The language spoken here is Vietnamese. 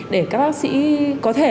để các bác sĩ có thể